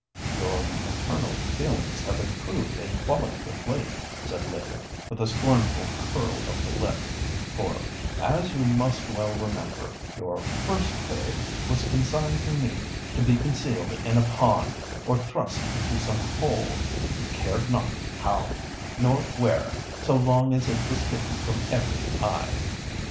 "Your maternal feelings have improved in quality of late," said Lydia, with a scornful curl of the lip; "for—as you must well remember—your first babe was consigned to me to be concealed in a pond, or thrust into some hole—you cared not how nor where, so long as it was hidden from every eye."